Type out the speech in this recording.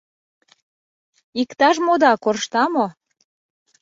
— Иктаж-мода коршта мо?